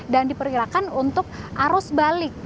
diperkirakan untuk arus balik